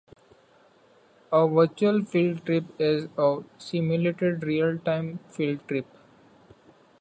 A Virtual field trip is a simulated, real-time field trip.